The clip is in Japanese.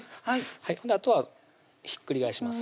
あとはひっくり返します